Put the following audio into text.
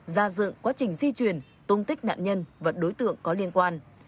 ra dựng quá trình di chuyển tung tích nạn nhân và đối tượng có liên quan